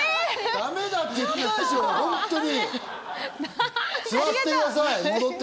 だめだって！